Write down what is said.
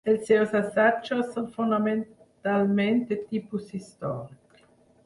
Els seus assajos són fonamentalment de tipus històric.